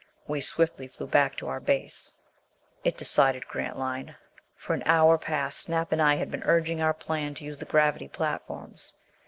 We swiftly flew back to our base. It decided Grantline. For an hour past Snap and I had been urging our plan to use the gravity platforms.